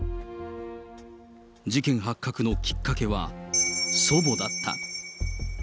事件発覚のきっかけは祖母だった。